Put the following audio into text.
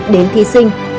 đến thi sinh